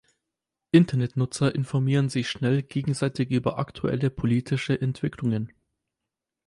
Internetnutzer informieren sich schnell gegenseitig über aktuelle politische Entwicklungen.